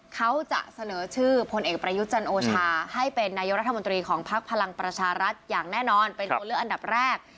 เขาจะเสนอชื่อพลเอกประยุทธ์จันโอชาให้เป็นนายกรัฐมนตรีของพักพลังประชารัฐอย่างแน่นอนเป็นตัวเลือกอันดับแรก